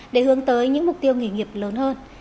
để hướng tới những mục tiêu nghề nghiệp lớn hơn